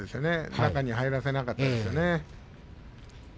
中に入らせなかったですね。